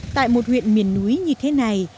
tại một huyện miền núi như thế này